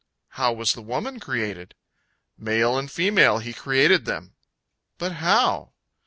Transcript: "—"How was the woman created?"—"Male and female He created them."—"But how?"